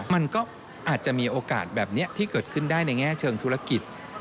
มันก็อาจจะมีโอกาสแบบนี้ที่เกิดขึ้นได้ในแง่เชิงธุรกิจ